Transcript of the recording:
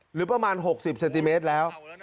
หรือประมาณ๖๐เซนติเมตรแล้ว